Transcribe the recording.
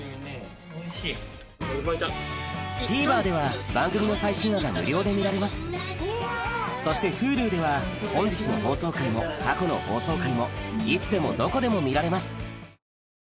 ＴＶｅｒでは番組の最新話が無料で見られますそしてＨｕｌｕでは本日の放送回も過去の放送回もいつでもどこでも見られます